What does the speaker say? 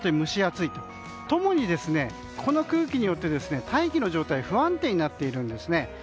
それと共にこの空気によって大気の状態が不安定になっているんですね。